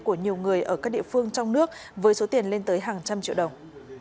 của nhiều người ở các địa phương trong nước với số tiền lên tới hàng trăm triệu đồng